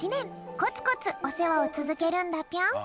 コツコツおせわをつづけるんだぴょん。